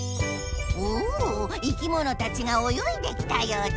お生きものたちがおよいできたようじゃ。